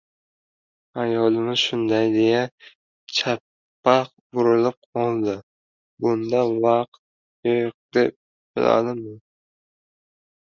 Ayolimiz shunday deya, chappa burilib oldi. Bunday vaqtda yo‘q deb bo‘ladimi?..